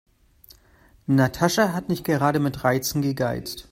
Natascha hat nicht gerade mit Reizen gegeizt.